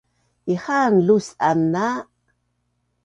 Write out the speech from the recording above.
Ihaan lus’an a